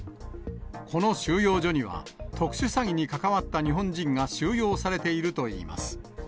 この収容所には、特殊詐欺に関わった日本人が収容されているといいます。